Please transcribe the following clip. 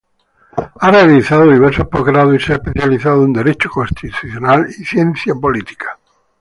Ha realizado diversos posgrados y se ha especializado en Derecho Constitucional y Ciencia Política.